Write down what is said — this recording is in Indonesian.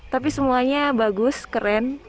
tapi semuanya bagus keren